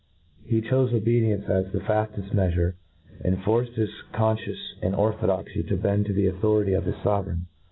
He chofe obc . dience as the fafeft meafure, and forced his con fcience and orthodoxy to bend to the authority of his fovereign.